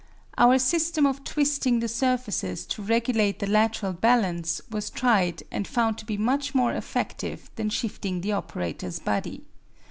Our system of twisting the surfaces to regulate the lateral balance was tried and found to be much more effective than shifting the operator's body.